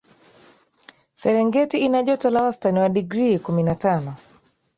serengeti ina joto la wastani wa digrii kumi na tano